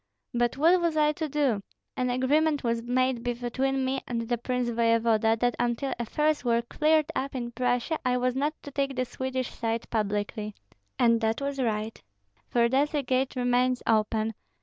But what was I to do? An agreement was made between me and the prince voevoda, that until affairs were cleared up in Prussia, I was not to take the Swedish side publicly. And that was right, for thus a gate remains open.